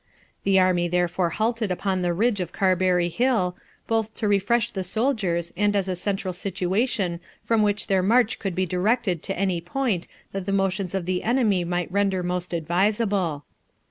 The army therefore halted upon the ridge of Carberry Hill, both to refresh the soldiers and as a central situation from which their march could be directed to any point that the motions of the enemy might render most advisable.